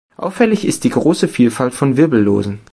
Auffällig ist die große Vielfalt von Wirbellosen.